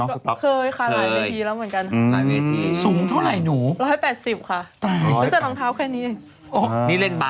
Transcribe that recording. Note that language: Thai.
สดสิ่งมันน่ะ